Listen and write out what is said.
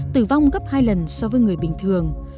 tử vong gấp hai lần so với người bình thường